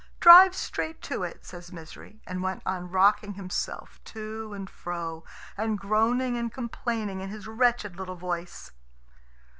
"Drive straight to it," says Misery, and went on rocking himself to and fro, and groaning and complaining in his wretched little voice.